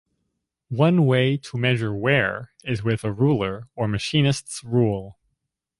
One way to measure wear is with a ruler or machinist's rule.